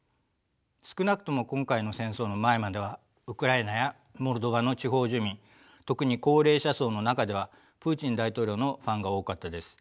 少なくとも今回の戦争の前まではウクライナやモルドバの地方住民特に高齢者層の中ではプーチン大統領のファンが多かったです。